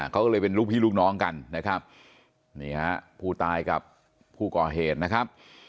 เขาก็เลยเป็นลูกพี่ลูกน้องกันนะครับนี่ฮะผู้ตายกับผู้ก่อเหตุนะครับ